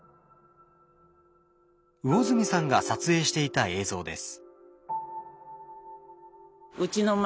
魚住さんが撮影していた映像です。